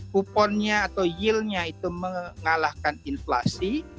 kuponnya atau yieldnya itu mengalahkan inflasi